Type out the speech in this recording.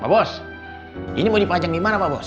pak bos ini mau dipanjang dimana pa bos